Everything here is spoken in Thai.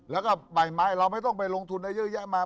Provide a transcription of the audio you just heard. แล้วก็ใบไม้เราไม่ต้องไปลงทุนอะไรเยอะแยะมา